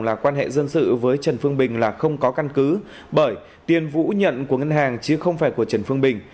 là quan hệ dân sự với trần phương bình là không có căn cứ bởi tiên vũ nhận của ngân hàng chứ không phải của trần phương bình